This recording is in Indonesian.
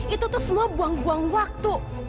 itu tuh semua buang buang waktu